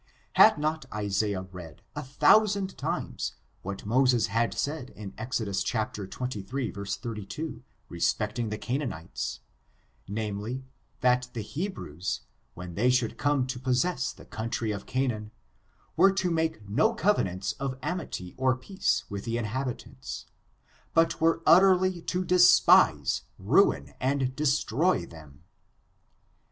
Had not Isaiah read, a thousand times, what Moses had said in Exod. xxiii, 32, respecting the Canaanites, name ly, that the Hebrews, when they should come to pos sess the country of Canaan, were to make no cove nants of amity or peace with the inhabitants, but were utterly to despise, ruin and destroy them?